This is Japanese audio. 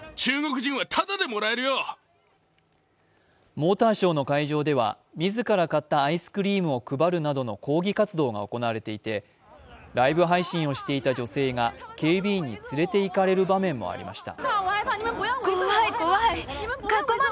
モーターショーの会場では自ら買ったアイスクリームを配るなどの抗議活動が行われていてライブ配信をしていた女性が警備員に連れて行かれる場面もありました。